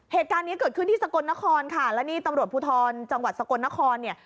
เหตุการณ์นี้เกิดขึ้นที่สกลนครค่ะแล้วนี่ตำรวจภูทรจังหวัดสกลนครเนี่ย